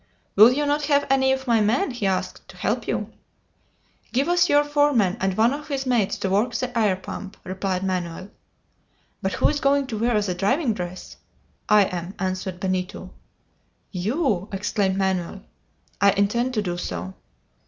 "Will you not have one of my men," he asked, "to help you?" "Give us your foreman and one of his mates to work the air pump," replied Manoel. "But who is going to wear the diving dress?" "I am," answered Benito. "You!" exclaimed Manoel. "I intend to do so."